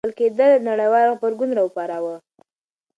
نیول کېدل نړیوال غبرګون راوپاروه.